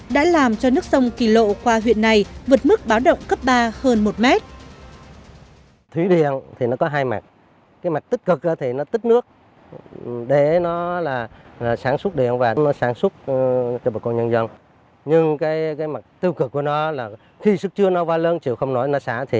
đã làm cho nước sông kỳ lộ qua huyện này vượt mức báo động cấp ba hơn một mét